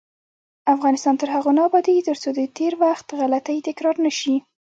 افغانستان تر هغو نه ابادیږي، ترڅو د تیر وخت غلطۍ تکرار نشي.